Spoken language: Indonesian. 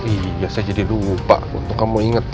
iya saya jadi lupa untung kamu inget deh